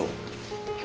今日。